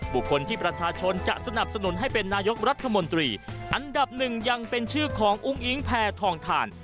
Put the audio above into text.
บุคคลที่ประชาชนจะสนับสนุนให้เป็นนายกรัฐมนตรีอันดับหนึ่งยังเป็นชื่อของอุ้งอิงแพทองทาน